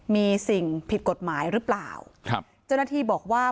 มีสิ่งผิดกฎหมายหรือเปล่าครับเจ้าหน้าที่บอกว่า